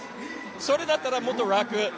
それだったらもっと楽。